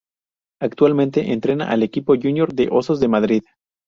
Actualmente entrena al equipo junior de Osos de Madrid.